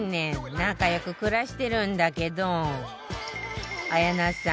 仲良く暮らしてるんだけど綾菜さん